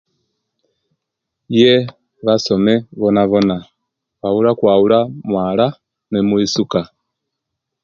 Iye basome bonabona bwabula okwabula omuwala ne mwisuka